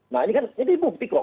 nah ini kan jadi bukti kok